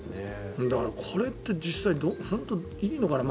だからこれって実際本当にいいのかな。